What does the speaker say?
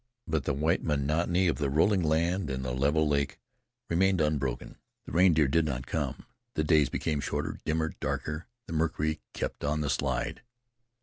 But the white monotony of the rolling land and level lake remained unbroken. The reindeer did not come. The days became shorter, dimmer, darker. The mercury kept on the slide.